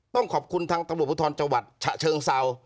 ต้องขอบคุณทางตำรวจภูทรจังหวัดฉะเชิงเซา